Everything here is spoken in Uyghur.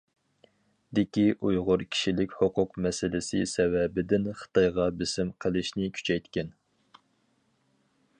دىكى ئۇيغۇر كىشىلىك ھوقۇق مەسىلىسى سەۋەبىدىن خىتايغا بېسىم قىلىشنى كۈچەيتكەن.